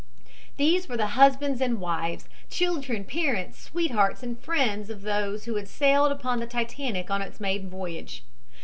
These were the husbands and wives, children, parents, sweethearts and friends of those who had sailed upon the Titanic on its maiden voyage.